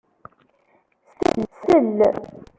Sell!